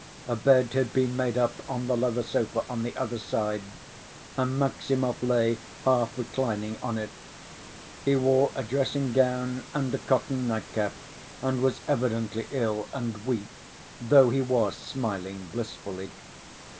A bed had been made up on the leather sofa on the other side and Maximov lay, half‐reclining, on it. He wore a dressing‐ gown and a cotton nightcap, and was evidently ill and weak, though he was smiling blissfully.